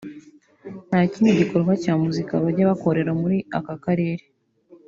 ntakindi gikorwa cya muzika bajya bakorera muri aka karere